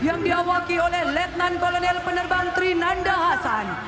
yang diawaki oleh letnan kolonel penerbang trinanda hasan